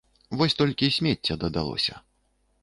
Вось толькі смецця дадалося.